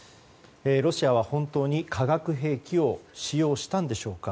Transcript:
ロシアは本当に化学兵器を使用したんでしょうか。